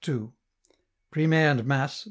Prime and Mass. 5.